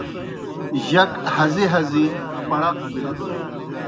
جک ہزی ہزی پڑق بِلہ۔